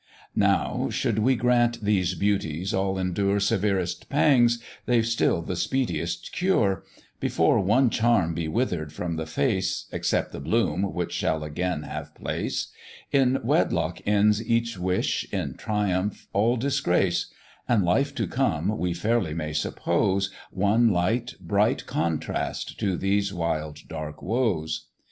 Now, should we grant these beauties all endure Severest pangs, they've still the speediest cure; Before one charm be withered from the face, Except the bloom, which shall again have place, In wedlock ends each wish, in triumph all disgrace; And life to come, we fairly may suppose, One light, bright contrast to these wild dark woes.